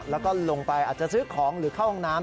แล้วก็ลงไปอาจจะซื้อของหรือเข้าห้องน้ำ